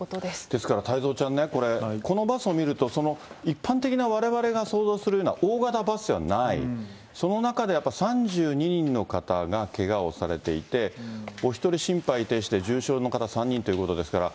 ですから太蔵ちゃんね、このバスを見ると、一般的なわれわれが想像するような大型バスではない、その中でやっぱり３２人の方がけがをされていて、お１人心肺停止で重傷の方３人ということですから。